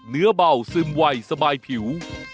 เนื้อเบาซึมวัยสบายผิว